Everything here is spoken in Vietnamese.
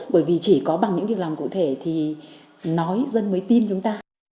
bởi vì chỉ có bằng những việc làm cụ thể thì nói dân mới tin chúng ta